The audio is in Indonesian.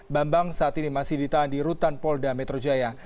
bambang saat ini masih ditahan di rutan polda metro jaya